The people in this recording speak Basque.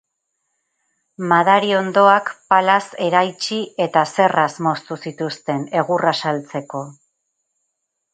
Madariondoak palaz eraitsi eta zerraz moztu zituzten, egurra saltzeko.